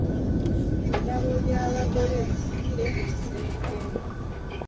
Ebirabo bya'bagole bisibire mu kisenge.